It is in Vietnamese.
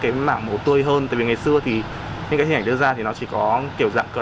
cái mảng múa tươi hơn tại vì ngày xưa thì những cái hình ảnh đưa ra thì nó chỉ có kiểu dạng cơ